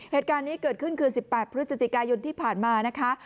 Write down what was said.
เหตุการณ์นี้เกิดขึ้นคือ๑๘พฤศจิกายนที่ผ่านมานะคะ